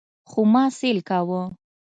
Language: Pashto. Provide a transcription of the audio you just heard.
خو ما سيل کاوه.